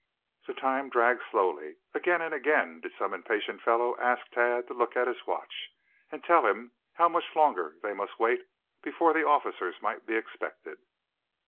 The time dragged slowly. Again and again did some impatient fellow ask Thad to look at his watch, and tell him how much longer they must wait before the officers might be expected.